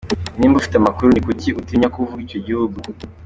Nimba ufite amakuru, ni kuki utinya kuvuga icyo gihugu?